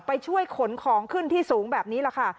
ไปช่วยขนของขึ้นที่สูงแบบนี้แหละค่ะ